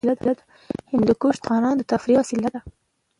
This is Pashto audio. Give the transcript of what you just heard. هندوکش د افغانانو د تفریح وسیله ده.